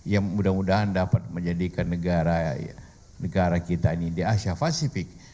yang mudah mudahan dapat menjadikan negara kita ini di asia pasifik